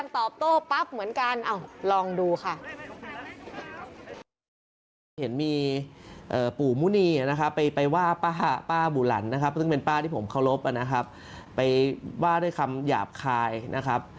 เข้ารพนะครับไปว่าด้วยคำหยาบคายนะครับ